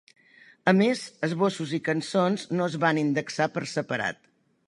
A més, esbossos i cançons no es van indexar per separat.